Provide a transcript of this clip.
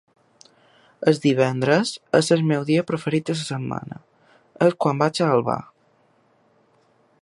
El divendres és el meu dia preferit de la setmana; és quan vaig al bar